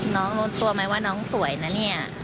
น้องรู้ตัวไหมว่าน้องสวยนะเนี่ย